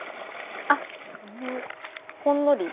あっうんほんのり？